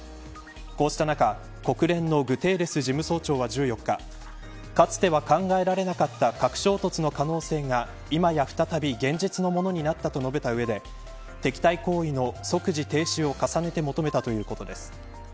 こうした中、国連のグテーレス事務総長は１４日かつては考えられなかった核衝突の可能性が今や再び現実のものになったと述べた上で敵対行為の即時停止を重ねて求めたということです。